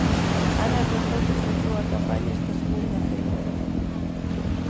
Ana Pontón presentou a campaña esta segunda feira.